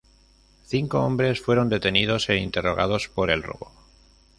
Cinco hombres fueron detenidos e interrogados por el robo.